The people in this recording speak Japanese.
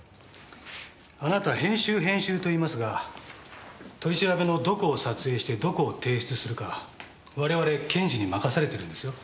あなた編集編集と言いますが取り調べのどこを撮影してどこを提出するか我々検事に任されてるんですよ。